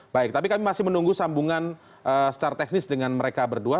baik tapi kami masih menunggu sambungan secara teknis dengan mereka berdua